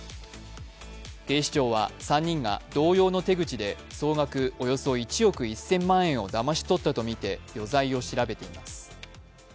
警視庁は３人が同様の手口で総額およそ１億１０００万円をだまし取ったとみて余罪を調べています。